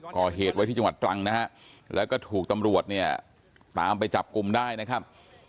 ก่อเหตุไว้ที่จังหวัดตรังนะฮะแล้วก็ถูกตำรวจเนี่ยตามไปจับกลุ่มได้นะครับ